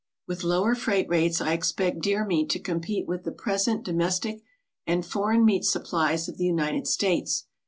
"With lower freight rates, I expect deer meat to com pete with the present domestic and foreign meat supplies of the United States.